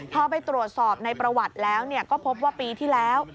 พอไปตรวจสอบในประวัติแล้วก็พบว่าปีที่แล้ว